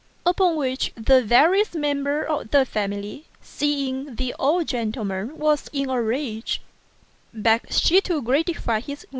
" upon which the various members of the family, seeing the old gentleman was in a rage, begged her to gratify his whim.